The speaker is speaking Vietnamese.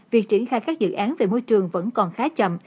việc triển khai các dự án về môi trường vẫn còn khá chậm